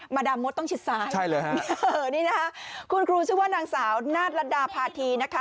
มาดามมดต้องชิดซ้ายนี่นะคะคุณครูชื่อว่านางสาวนาดรัดดาภาธีนะคะ